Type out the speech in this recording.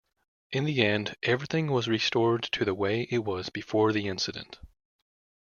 In the end, everything was restored to the way it was before the incident.